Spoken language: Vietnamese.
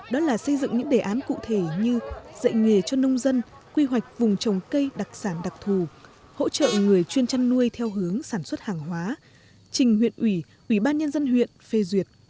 đó là xây dựng những đề án cụ thể như dạy nghề cho nông dân quy hoạch vùng trồng cây đặc sản đặc thù hỗ trợ người chuyên chăn nuôi theo hướng sản xuất hàng hóa trình huyện ủy ủy ban nhân dân huyện phê duyệt